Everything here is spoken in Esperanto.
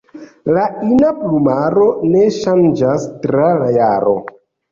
La ina plumaro ne ŝanĝas tra la jaro.